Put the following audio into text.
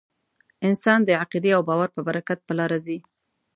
انسان د عقیدې او باور په برکت په لاره ځي.